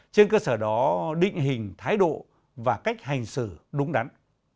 trên cơ sở đó định hình thái độ và cách hành xử đúng đắn